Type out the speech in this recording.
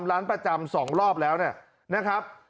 ร้านประจำ๒รอบแล้วนะครับ